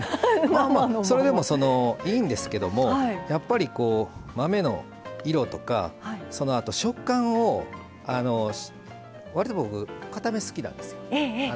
それでもいいんですけどもやっぱり豆の色とかあと食感をわりと僕、かため好きなんですよ。